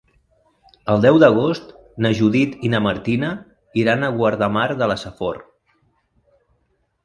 El deu d'agost na Judit i na Martina iran a Guardamar de la Safor.